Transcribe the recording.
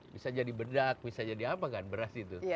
bisa jadi bedak bisa jadi apa kan beras itu